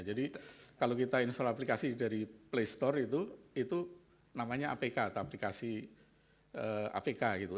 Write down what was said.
jadi kalau kita install aplikasi dari play store itu itu namanya apk atau aplikasi apk gitu